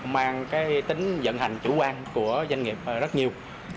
mang cái tính dẫn hành chủ quan của doanh nghiệp rất nhiều